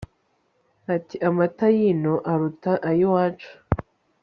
Ati Amata yino aruta ayiwacu